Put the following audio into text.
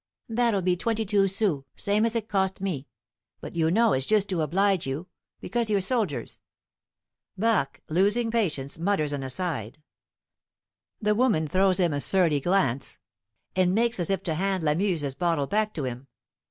"That'll be twenty two sous, same as it cost me. But you know it's just to oblige you, because you're soldiers." Barque, losing patience, mutters an aside. The woman throws him a surly glance, and makes as if to hand Lamuse's bottle back to him.